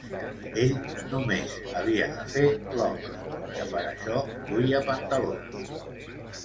Ell no més havia de fer l'home, que per això duia pantalons